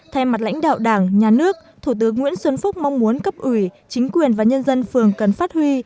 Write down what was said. thay mặt lãnh đạo đảng nhà nước thủ tướng nguyễn xuân phúc mong muốn cấp ủy chính quyền và nhân dân phường cần phát huy